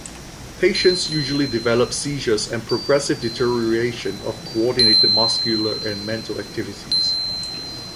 Patients usually develop seizures and progressive deterioration of coordinated muscular and mental activities.